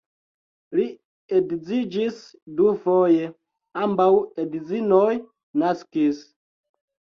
Li edziĝis dufoje, ambaŭ edzinoj naskis.